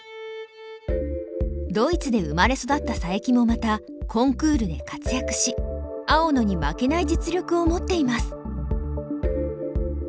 ドイツで生まれ育った佐伯もまたコンクールで活躍し青野に負けない実力を持っています。